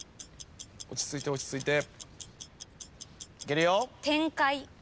落ち着いて落ち着いて。